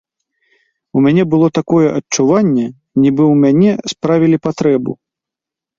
У мяне было такое адчуванне, нібы ў мяне справілі патрэбу.